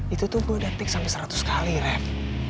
itu tuh gue udah teks sampe seratus kali raff